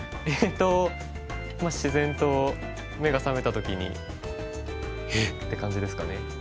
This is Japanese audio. えっと自然と目が覚めた時にって感じですかね。